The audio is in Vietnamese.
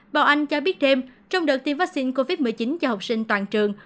bảo anh cho biết thêm trong đợt tiêm vaccine covid một mươi chín cho học sinh toàn trường